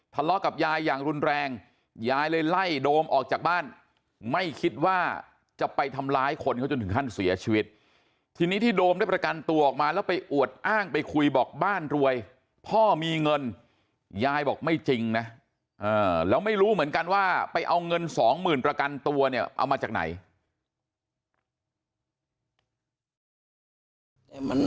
กับยายอย่างรุนแรงยายเลยไล่โดมออกจากบ้านไม่คิดว่าจะไปทำร้ายคนเขาจนถึงขั้นเสียชีวิตทีนี้ที่โดมได้ประกันตัวออกมาแล้วไปอวดอ้างไปคุยบอกบ้านรวยพ่อมีเงินยายบอกไม่จริงนะแล้วไม่รู้เหมือนกันว่าไปเอาเงินสองหมื่นประกันตัวเนี่ยเอามาจากไหน